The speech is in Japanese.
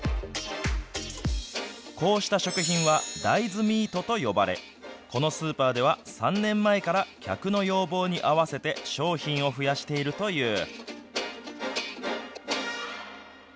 こうした食品は大豆ミートと呼ばれ、このスーパーでは３年前から客の要望に合わせて商品を増やしているという。